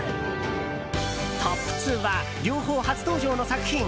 トップ２は両方初登場の作品！